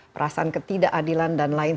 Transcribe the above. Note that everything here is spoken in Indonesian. perasaan ketidakadilan dan lain